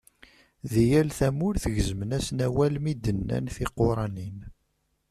Di yal tamurt gezmen-asen awal mi d-nnan tiquranin.